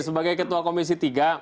sebagai ketua komisi tiga